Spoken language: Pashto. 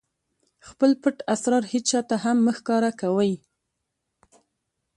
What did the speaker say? خپل پټ اسرار هېچاته هم مه ښکاره کوئ!